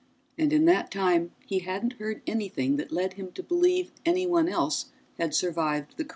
And in that time he hadn't heard anything that led him to believe anyone else had survived the crash.